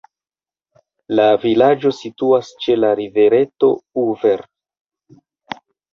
La vilaĝo situas ĉe la rivereto "Uverj".